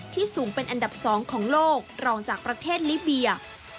สูงเป็นอันดับ๒ของโลกรองจากประเทศลิเบีย